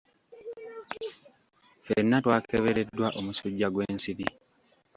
Ffenna twakebereddwa omusujja gw'ensiri.